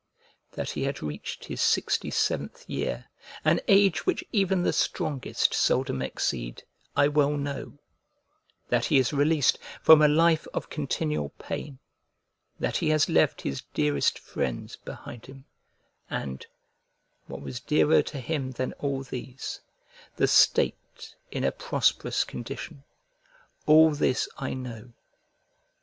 That he had reached his sixty seventh year, an age which even the strongest seldom exceed, I well know; that he is released from a life of continual pain; that he has left his dearest friends behind him, and (what was dearer to him than all these) the state in a prosperous condition: all this I know.